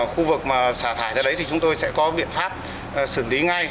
khu vực mà xả thải ra đấy thì chúng tôi sẽ có biện pháp xử lý ngay